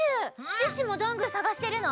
シュッシュもどんぐーさがしてるの？